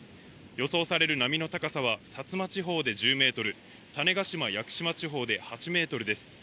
予想される波の高さは、薩摩地方で１０メートル、種子島・屋久島地方で８メートルです。